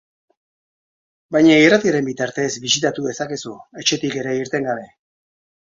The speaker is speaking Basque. Baina irratiaren bitartez bisitatu dezakezu, etxetik ere irten gabe.